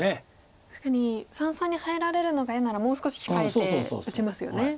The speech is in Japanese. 確かに三々に入られるのが嫌ならもう少し控えて打ちますよね。